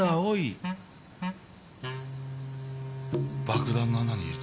爆弾の穴に入れ